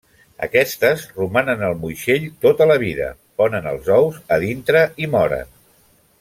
Aquestes romanen al moixell tota la vida, ponen els ous a dintre i moren.